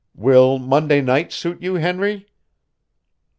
Will Monday night suit you, Henry?"